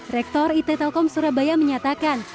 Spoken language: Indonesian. rektor it telkom surabaya menyatakan